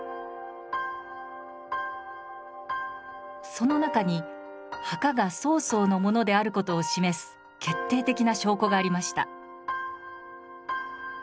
その中に墓が曹操のものである事を示す決定的な証拠がありました。